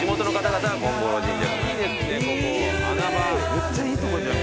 めっちゃいいとこじゃん